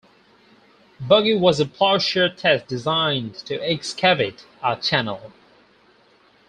Buggy was a Plowshare test designed to excavate a channel.